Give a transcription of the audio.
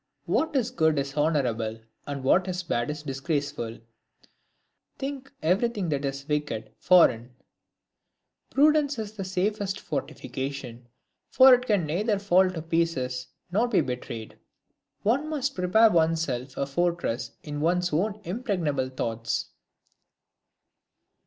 What is good is honourable, and what is bad is disgraceful. Think everything that is wicked, foreign. Prudence is the safest fortification ; for it can neither fall to pieces nor be betrayed. One must prepare one's self a fortress in one's own impregnable thoughts.